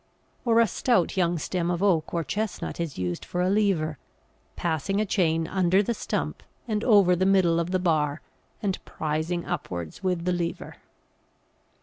Or a stout young stem of oak or chestnut is used for a lever, passing a chain under the stump and over the middle of the bar and prising upwards with the lever.